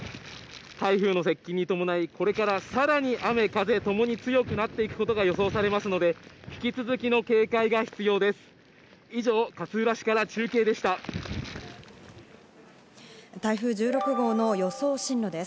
台風の接近に伴い、これからさらに雨風ともに強くなっていくことが予想されますので、引き続きの警戒が必要です。